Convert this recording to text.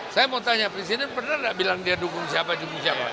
saya mau tanya presiden pernah nggak bilang dia dukung siapa dukung siapa